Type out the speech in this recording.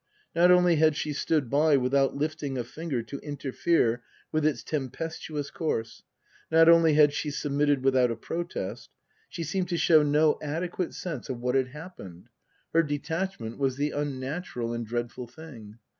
Not only had she stood by without lifting a finger to interfere with its tempestuous course ; not only had she submitted without a protest ; she seemed to show no adequate sense of what had hap Book II : Her Book 197 pened. Her detachment was the unnatural and dreadful thing.